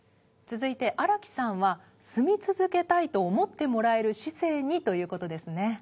続いて荒木さんは「住み続けたいと思ってもらえる市政に」という事ですね。